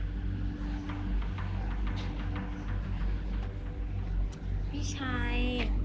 พี่ชัย